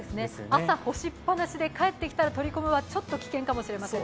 朝干しっぱなしで帰ってから取り込むはちょっと危険かもしれません。